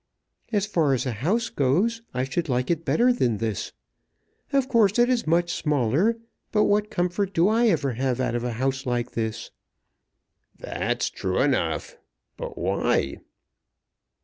As far as a house goes, I should like it better than this. Of course it is much smaller; but what comfort do I ever have out of a house like this?" "That's true enough. But why?"